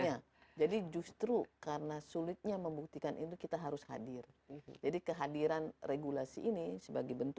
ya jadi justru karena sulitnya membuktikan itu kita harus hadir jadi kehadiran regulasi ini sebagai bentuk